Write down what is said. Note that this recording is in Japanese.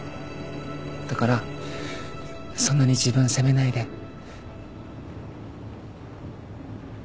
だからそんなに自分責めないで。